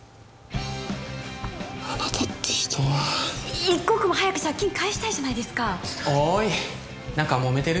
あなたって人は一刻も早く借金返したいじゃないですかおい何かもめてる？